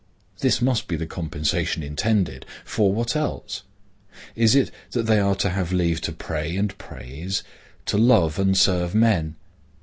This must be the compensation intended; for what else? Is it that they are to have leave to pray and praise? to love and serve men?